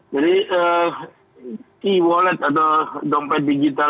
jadi key wallet atau dompet digital